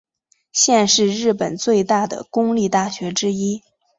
现是日本最大的公立大学之一。